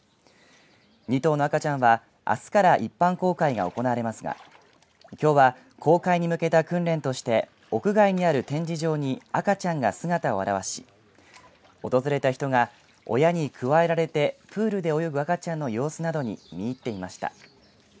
２頭の赤ちゃんはあすから一般公開が行われますがきょうは公開に向けた訓練として屋外にある展示場に赤ちゃんが姿を現し訪れた人が親にくわえられてプールで泳ぐ赤ちゃんの様子などに見入っていました。